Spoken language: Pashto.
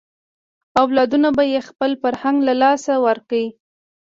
اولادونه به یې خپل فرهنګ له لاسه ورکړي.